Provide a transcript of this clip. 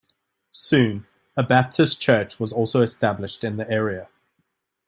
Soon, a Baptist church was also established in the area.